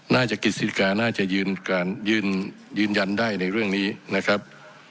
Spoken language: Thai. น่าจะกฤษฎีกาน่าจะยืนยันได้ในเรื่องนี้นะครับ